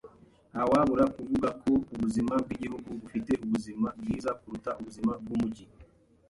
Ntawabura kuvuga ko ubuzima bwigihugu bufite ubuzima bwiza kuruta ubuzima bwumujyi.